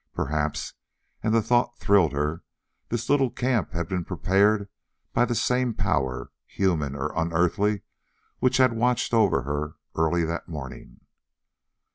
Perhaps and the thought thrilled her this little camp had been prepared by the same power, human or unearthly, which had watched over her early that morning.